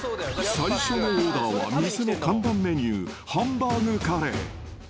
最初のオーダーは店の看板メニュー、ハンバーグカレー。